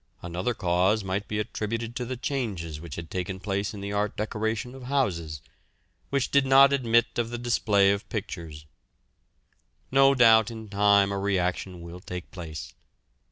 Another cause might be attributed to the changes which had taken place in the art decoration of houses, which did not admit of the display of pictures. No doubt in time a reaction will take place.